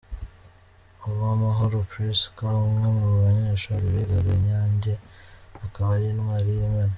Uwamahoro Prisca, umwe mu banyeshuri bigaga i Nyange akaba ari Intwari y’Imena.